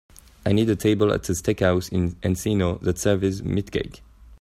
I need a table at a steakhouse in Encino that serves meatcake